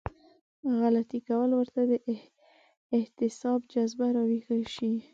غلطي کول ورته د احتساب جذبه راويښه شي.